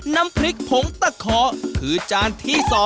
น้ำพริกผงตะคอคือจานที่๒